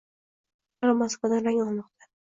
Ular Moskvadan rang olmoqda